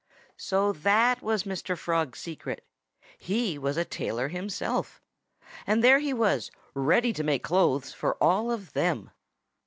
So that was Mr. Frog's secret! He was a tailor himself! And there he was, ready to make clothes for all of them!